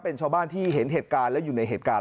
เป็นชาวบ้านที่เห็นเหตุการณ์และอยู่ในเหตุการณ์